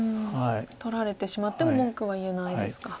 取られてしまっても文句は言えないですか。